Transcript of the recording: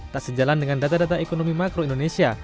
tak sejalan dengan data data ekonomi makro indonesia